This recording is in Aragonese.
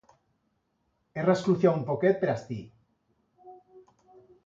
He rascluciau un poquet per astí.